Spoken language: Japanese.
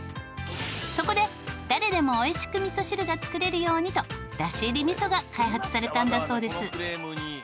そこで誰でもおいしくみそ汁が作れるようにとだし入りみそが開発されたんだそうです。